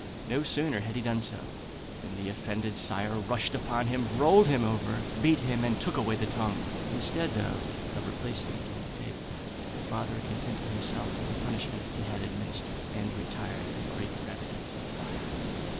No sooner had he done so, than the offended sire rushed upon him, rolled him over, beat him, and took away the tongue. Instead, though, of replacing it on the table, the father contented himself with the punishment he had administered, and retired with great gravity to the fire.